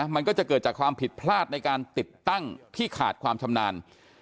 มันก็จะเกิดจากความผิดพลาดในการติดตั้งที่ขาดความชำนาญ